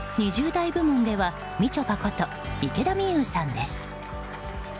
２０代部門ではみちょぱこと池田美優さんです。